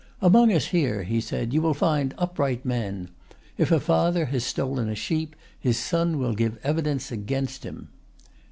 "Among us here," he said, "you will find upright men. If a father has stolen a sheep, his son will give evidence against him."